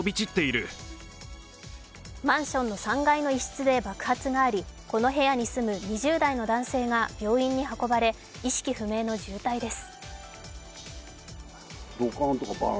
マンションの３階の１一室で爆発がありこの部屋に住む２０代の男性が病院に運ばれ意識不明の重体です。